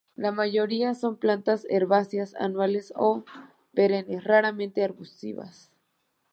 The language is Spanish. La mayoría son plantas herbáceas, anuales o perennes, raramente arbustivas.